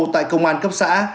tại công an cấp xã